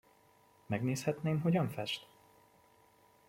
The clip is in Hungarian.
Megnézhetném, hogyan fest?